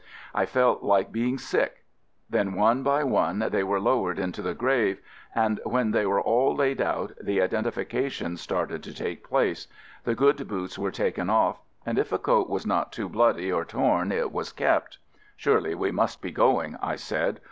I felt like be ing sick. Then one by one they were low ered into the grave, and when they were all laid out the identification started to take place — the good boots were taken off — and if a coat was not too bloody or torn it was kept — "Surely we must be going," I said.